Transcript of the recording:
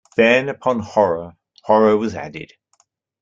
Then upon horror, horror was added.